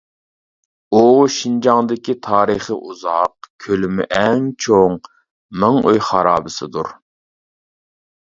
ئۇ شىنجاڭدىكى تارىخى ئۇزاق، كۆلىمى ئەڭ چوڭ مىڭئۆي خارابىسىدۇر.